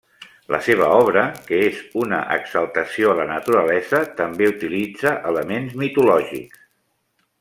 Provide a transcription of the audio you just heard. La seva obra, que és una exaltació a la naturalesa, també utilitza elements mitològics.